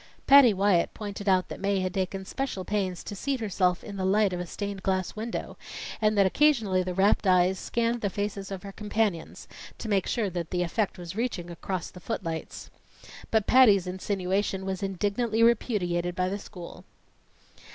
Patty Wyatt pointed out that Mae had taken special pains to seat herself in the light of a stained glass window, and that occasionally the rapt eyes scanned the faces of her companions, to make sure that the effect was reaching across the footlights. But Patty's insinuation was indignantly repudiated by the school.